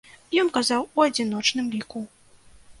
Ён казаў у адзіночным ліку.